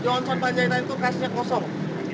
johnsort panjaitan itu kasnya kosong